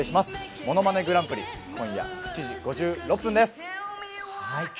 『ものまねグランプリ』今夜７時５６分です。